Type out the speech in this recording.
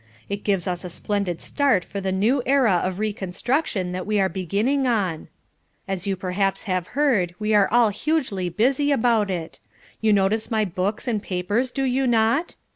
It gives us a splendid start for the new era of reconstruction that we are beginning on. As you perhaps have heard we are all hugely busy about it. You notice my books and papers, do you not?"